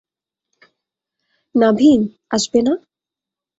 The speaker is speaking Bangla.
নাভিন, আসবে না?